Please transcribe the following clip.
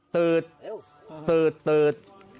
ตื๊ดตื๊ดตื๊ด